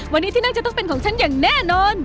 วันนี้ที่นั่งจะต้องเป็นของฉันอย่างแน่นอน